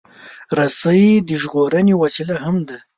رسۍ د ژغورنې وسیله هم ده.